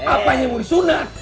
apanya yang mau disunat